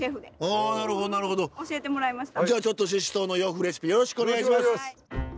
ちょっとししとうの洋風レシピよろしくお願いします。